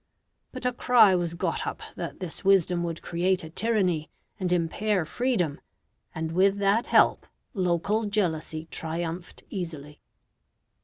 But a cry was got up that this wisdom would create a tyranny and impair freedom, and with that help, local jealousy triumphed easily.